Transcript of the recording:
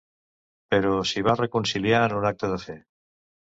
Però s'hi va reconciliar en un acte de fe.